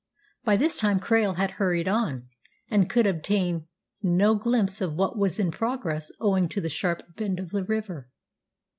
By this time Krail had hurried on, and could obtain no glimpse of what was in progress owing to the sharp bend of the river.